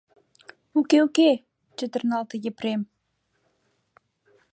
— Уке-уке, — чытырналте Епрем.